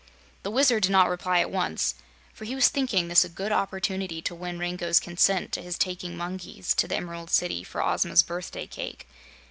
The Wizard did not reply at once, for he was thinking this a good opportunity to win Rango's consent to his taking some monkeys to the Emerald City for Ozma's birthday cake.